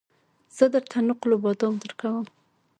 زه درته نقل بادام درکوم